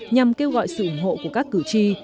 nhằm kêu gọi sự ủng hộ của các cử tri